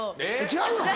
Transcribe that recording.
違うの？